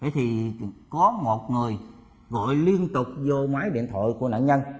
thì có một người gọi liên tục vô máy điện thoại của nạn nhân